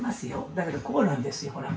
だけどこうなんですよほら」